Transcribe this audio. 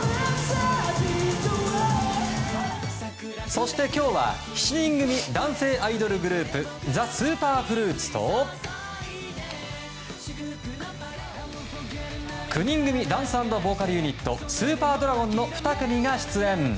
そして今日は７人組男性アイドルグループＴＨＥＳＵＰＥＲＦＲＵＩＴと９人組ダンス＆ボーカルユニットＳＵＰＥＲ★ＤＲＡＧＯＮの２組が出演。